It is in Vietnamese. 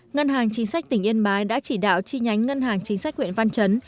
ngân hàng chính sách tỉnh yên bái đã chỉ đạo chi nhánh ngân hàng chính sách huyện văn chấn